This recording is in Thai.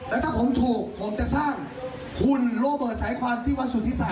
และถ้าผมถูกผมจะสร้างขุนโรเบิร์ตแห่งโรเบิร์ตสายควันที่วัดสุทธิสะอาด